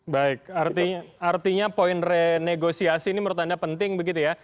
baik artinya poin renegosiasi ini menurut anda penting begitu ya